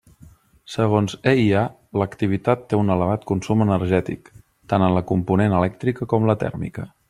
Segons EIA, l'activitat té un elevat consum energètic, tant en la component elèctrica com la tèrmica.